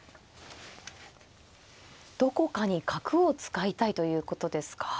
どこかに角を使いたいということですか。